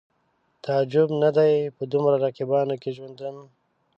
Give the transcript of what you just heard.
تعجب نه دی په دومره رقیبانو کې ژوندون